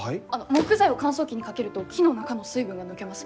木材を乾燥機にかけると木の中の水分が抜けます。